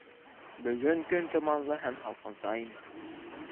Бөгөн көн томанлы һәм һалҡынса ине.